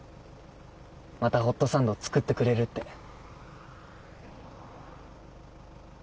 またホットサンド作ってくれるって。